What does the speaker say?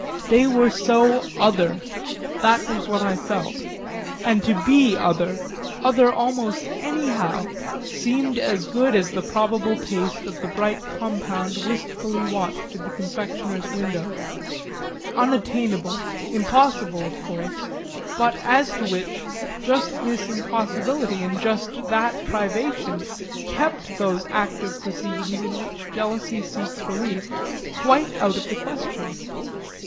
They were so other that was what I felt; and to be other, other almost anyhow, seemed as good as the probable taste of the bright compound wistfully watched in the confectioner's window; unattainable, impossible, of course, but as to which just this impossibility and just that privation kept those active proceedings in which jealousy seeks relief quite out of the question.